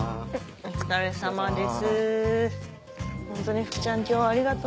お疲れさまです。